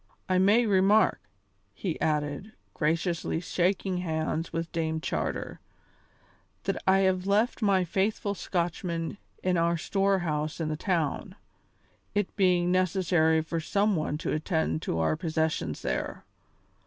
I may remark," he added, graciously shaking hands with Dame Charter, "that I left my faithful Scotchman in our storehouse in the town, it being necessary for some one to attend to our possessions there.